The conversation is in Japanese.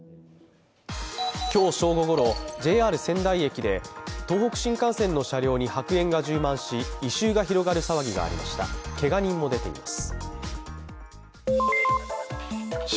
今日正午ごろ、ＪＲ仙台駅で東北新幹線の車両に白煙が充満し、異臭が広がる騒ぎがありましたけが人も出ています。